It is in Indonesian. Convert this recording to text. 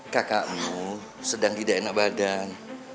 kakakmu sedang tidak enak badan